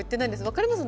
分かります？